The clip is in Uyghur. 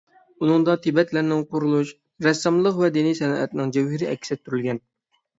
ئۇنىڭدا تىبەتلەرنىڭ قۇرۇلۇش، رەسساملىق ۋە دىنىي سەنئىتىنىڭ جەۋھىرى ئەكس ئەتتۈرۈلگەن.